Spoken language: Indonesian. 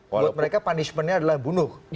menurut mereka punishmentnya adalah bunuh